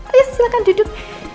ayo silahkan duduk